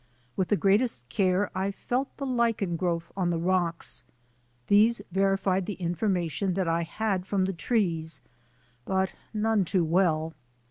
With the greatest care I felt the lichen growth on the rocks. These verified the information that I had from the trees — but none too well.